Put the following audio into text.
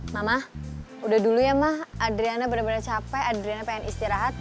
mama udah dulu ya ma adriana bener bener capek adriana pengen istirahat